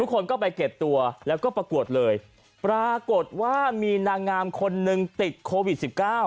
คนก็ไปเก็บตัวแล้วก็ประกวดเลยปรากฏว่ามีนางงามคนหนึ่งติดโควิด๑๙